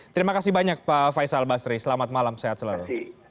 terima kasih banyak pak faisal basri selamat malam sehat selalu